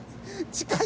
近い？